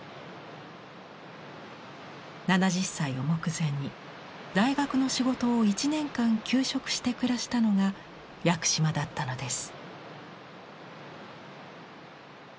７０歳を目前に大学の仕事を１年間休職して暮らしたのが屋久島だったのです。